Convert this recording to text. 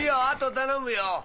あと頼むよ。